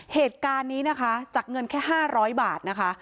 เหตุการณ์นี้นะคะจากเงินแค่๕๐๐บาทนะคะ